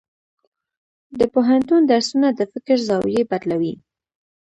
د پوهنتون درسونه د فکر زاویې بدلوي.